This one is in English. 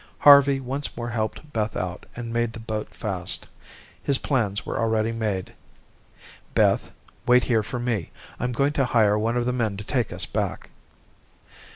Harvey once more helped Beth out, and made the boat fast. His plans were already made. "Beth, wait here for me. I'm going to hire one of the men to take us back."